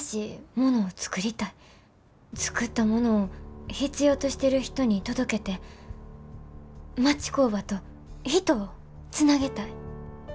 作ったものを必要としてる人に届けて町工場と人をつなげたい。